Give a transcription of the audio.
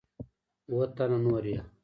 اووه تنه نور یې